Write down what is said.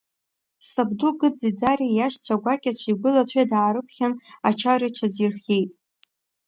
Сабду Гыд Ӡиӡариа иашьцәа гәакьацәеи игәылацәеи даарыԥхьан, ачара иҽазирхиеит.